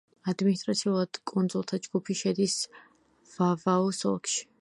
ადმინისტრაციულად კუნძულთა ჯგუფი შედის ვავაუს ოლქში.